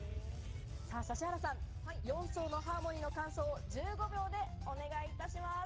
さぁ、指原さん、４層のハーモニーの感想を１５秒でお願いいたします。